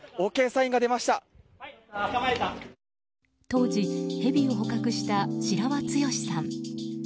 当時、ヘビを捕獲した白輪剛史さん。